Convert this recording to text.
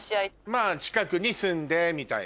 まぁ近くに住んでみたいな。